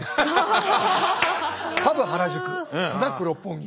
「パブ原宿」「スナック六本木」